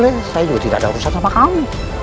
eh saya juga tidak ada urusan sama kamu